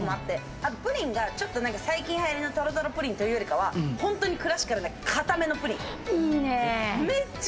あとプリンが最近、流行りのトロトロプリンというよりかはクラシカルな硬めのプリン。